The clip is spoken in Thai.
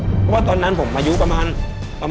เพราะว่าตอนนั้นผมอายุประมาณ